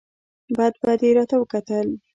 بد بد یې راته وکتل !